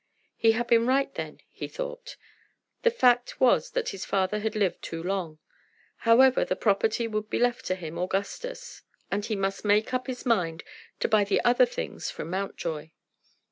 He had been right then, he thought. The fact was that his father had lived too long. However, the property would be left to him, Augustus, and he must make up his mind to buy the other things from Mountjoy.